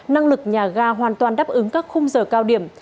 năng lực nhà ga hoàn toàn đáp ứng các khung giờ cao điểm